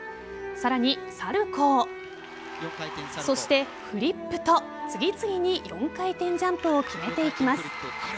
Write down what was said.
さらに、サルコウそして、フリップと次々に４回転ジャンプを決めていきます。